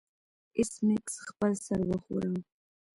ایس میکس خپل سر وښوراوه